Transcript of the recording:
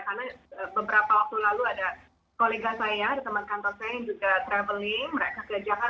karena beberapa waktu lalu ada kolega saya teman kantor saya yang juga traveling